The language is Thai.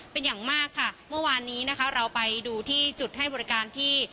เป็นอย่างมากค่ะเมื่อวานนี้นะคะเราไปดูที่จุดให้บริการที่